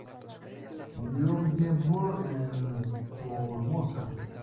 Vivió un tiempo en Formosa.